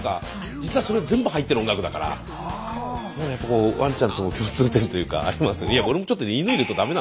実はそれ全部入ってる音楽だからやっぱこうわんちゃんとの共通点というかありますよね。